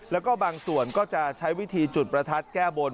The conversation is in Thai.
แล้วก็บางส่วนก็จะใช้วิธีจุดประทัดแก้บน